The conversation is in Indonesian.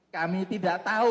kami tidak tahu